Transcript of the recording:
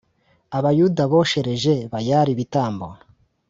Abayuda boshereje Bayali ibitambo